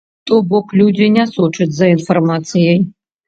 То бок людзі не сочаць за інфармацыяй.